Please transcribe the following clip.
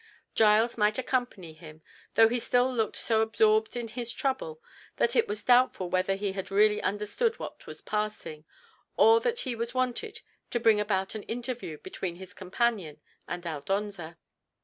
Giles might accompany him, though he still looked so absorbed in his trouble that it was doubtful whether he had really understood what was passing, or that he was wanted to bring about an interview between his companion and Aldonza.